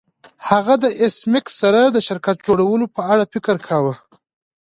هغه د ایس میکس سره د شرکت جوړولو په اړه فکر کاوه